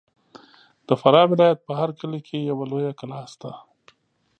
د فراه ولایت په هر کلي کې یوه لویه کلا سته.